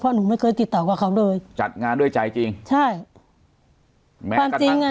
หนูไม่เคยติดต่อกับเขาเลยจัดงานด้วยใจจริงใช่แม้ปกติงาน